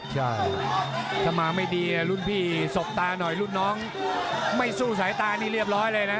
ใช่ถ้ามาไม่ดีรุ่นพี่สบตาหน่อยรุ่นน้องไม่สู้สายตานี่เรียบร้อยเลยนะ